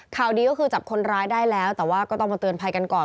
ข่าวดีก็คือจับคนร้ายได้แล้วแต่ว่าก็ต้องมาเตือนภัยกันก่อน